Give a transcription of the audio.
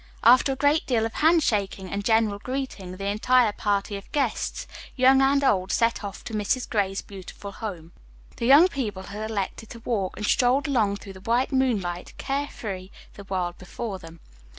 After a great deal of handshaking and general greeting, the entire party of guests, young and old, set off for Mrs. Gray's beautiful home. The young people had elected to walk and strolled along through the white moonlight, care free, the world before them.